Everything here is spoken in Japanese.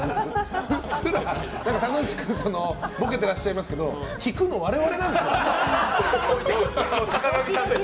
楽しくボケてらっしゃいますけど聞くの、我々なんですよ。